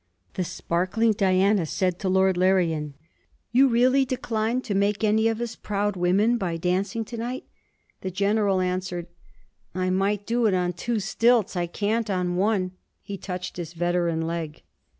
The sparkling Diana said to Lord Larrian, 'You really decline to make any of us proud women by dancing to night?' The General answered: 'I might do it on two stilts; I can't on one.' He touched his veteran leg.